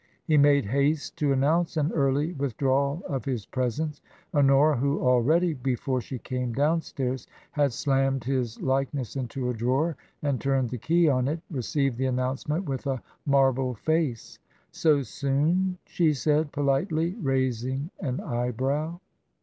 He made haste to announce an early with drawal of his presence. Honora, who already, before she came downstairs, had slammed his likeness into a drawer and turned the key on it, received the announce ment with a marble face. " So soon ?" said she, politely, raising an eyebrow.